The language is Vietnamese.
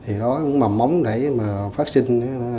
thì nó cũng mầm móng để phát sinh